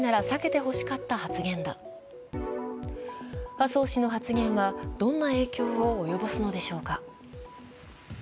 麻生氏の発言はどんな影響を及ぼすのでしょうか。